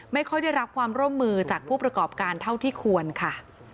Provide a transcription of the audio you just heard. ไม่ค่อยได้รับความร่วมมือจากผู้ประกอบการเท่าที่ควรค่ะ